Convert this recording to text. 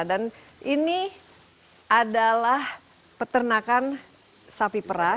dan ini adalah peternakan sapi perah